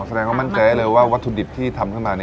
แสดงว่ามั่นใจเลยว่าวัตถุดิบที่ทำขึ้นมา